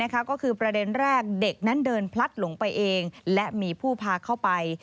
ก็คือประเด็นแรกเด็กนั้นเดินพลัดหลงไปเองและมีผู้พาเข้าไป